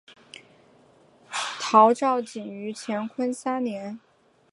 陶绍景于乾隆三年。